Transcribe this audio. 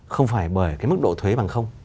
không phải bởi mức độ thuế bằng không